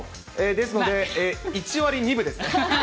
ですので、１割２分ですかね。